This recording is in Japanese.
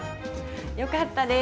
よかったです。